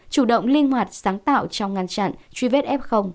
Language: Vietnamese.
chủ động linh hoạt sáng tạo trong ngăn chặn truy vết f